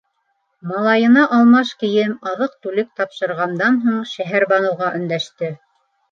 Малайына алмаш кейем, аҙыҡ-түлек тапшырғандан һуң, Шәһәрбаныуға өндәште: